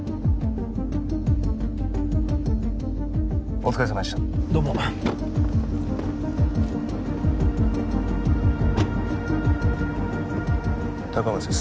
お疲れさまでしたどうも高松です